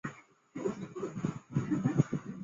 一般贴在墙上或印在雇员身份上。